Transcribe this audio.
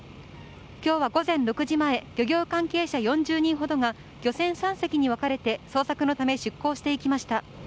今日は午前６時前漁協関係者４０人ほどが漁船３隻にわかれて捜索のため出航していきました。